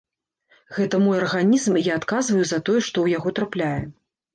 Гэта мой арганізм, і я адказваю за тое, што ў яго трапляе.